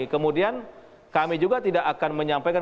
kemudian kami juga tidak akan menyampaikan